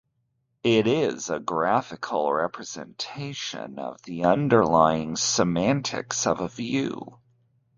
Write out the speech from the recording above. It is a graphical representation of the underlying semantics of a view.